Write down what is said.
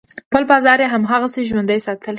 خپل بازار یې هماغسې ژوندی ساتلی دی.